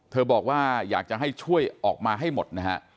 บอกว่าอยากจะให้ช่วยออกมาให้หมดนะฮะ